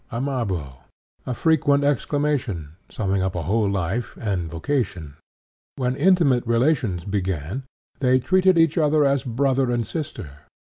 (Amabo), a frequent exclamation, summing up a whole life and vocation. When intimate relations began, they treated each other as 'brother' and 'sister.'